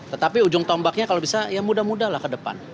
tetapi ujung tombaknya kalau bisa ya mudah mudah lah ke depan